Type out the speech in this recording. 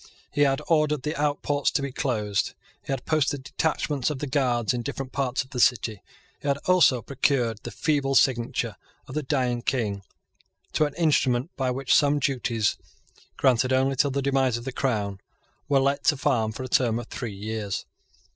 He had ordered the outports to be closed. He had posted detachments of the Guards in different parts of the city. He had also procured the feeble signature of the dying King to an instrument by which some duties, granted only till the demise of the Crown, were let to farm for a term of three years.